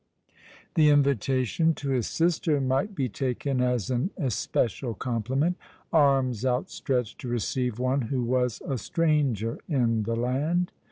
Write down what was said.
The invitation to his sister might be taken as an especial compliment, arms outstretched to receive one who was a stranger in the land.